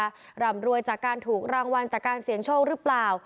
หร่ำรวยจากการถูกรางวัลจากการเสี่ยงโชคหรือเปล่า